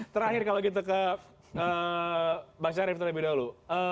terakhir kalau gitu ke bang syarif terlebih dahulu